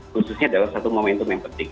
khususnya dalam satu momentum yang penting